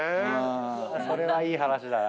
それはいい話だな。